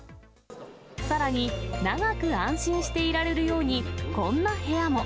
さらに、長く安心していられるように、こんな部屋も。